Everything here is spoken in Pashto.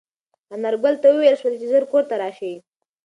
انارګل ته وویل شول چې ژر کور ته راشي.